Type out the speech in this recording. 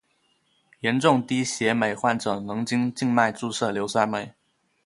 严重低血镁患者能经静脉注射硫酸镁。